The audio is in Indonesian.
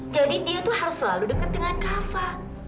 jadi dia tuh harus selalu deket dengan kava